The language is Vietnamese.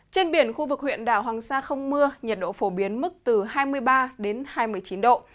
trên biển khu vực huyện đảo hoàng sa không mưa nhiệt độ phổ biến mức từ hai mươi ba đến hai mươi chín độ